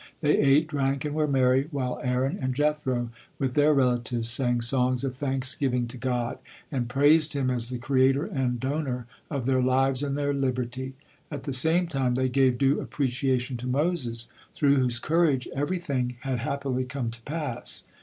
They ate, drank and were merry, while Aaron and Jethro with their relatives sang songs of thanksgiving to God, and praised Him as the Creator and Donor of their lives and their liberty. At the same time they gave due appreciation to Moses, through whose courage everything had happily come to pass.